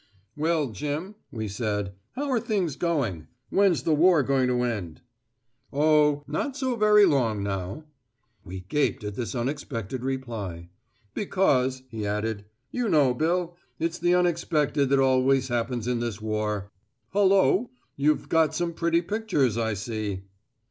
"Well, Jim," we said, "how are things going? When's the war going to end?" "Oh! not so very long now." We gaped at this unexpected reply. "Because," he added, "you know, Bill, it's the unexpected that always happens in this war. Hullo! You've got some pretty pictures, I see."